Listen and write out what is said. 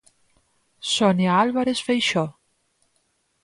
Sonia Álvarez Feixóo.